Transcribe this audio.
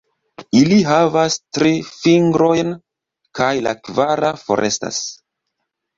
Ili havas tri fingrojn, kaj la kvara forestas.